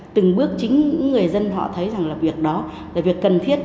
từng bước chính người dân họ thấy rằng là việc đó là việc cần thiết